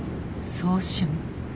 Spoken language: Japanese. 早春。